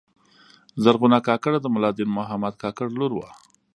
زرغونه کاکړه د ملا دین محمد کاکړ لور وه.